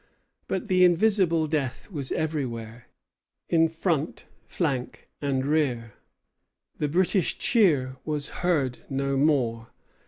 But the invisible death was everywhere, in front, flank, and rear. The British cheer was heard no more.